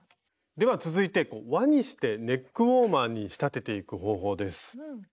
では続いて輪にしてネックウォーマーに仕立てていく方法です。